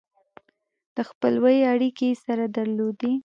د خپلوۍ اړیکې یې سره درلودې.